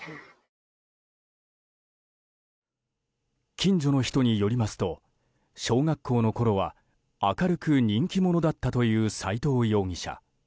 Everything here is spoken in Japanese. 近所の人によりますと小学校のころは明るく人気者だったという斎藤容疑者。